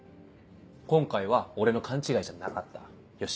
今回は俺の勘違いじゃなかったよし。